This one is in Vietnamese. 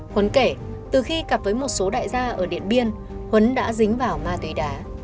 huấn kể từ khi gặp với một số đại gia ở điện biên huấn đã dính vào ma túy đá